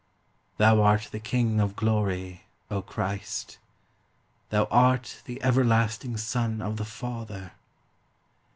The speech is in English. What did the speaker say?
Thou art the King of Glory, O Christ. Thou art the everlasting Son of the Father.